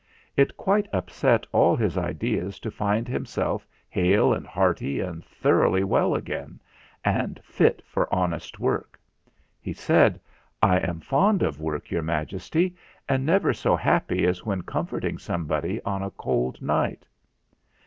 It quite upset all his ideas to find himself hale and hearty and thoroughly well again and "fit for honest work." He said : 322 THE FLINT HEART "I am fond of work, Your Majesty, and never so happy as when comforting somebody on a cold night."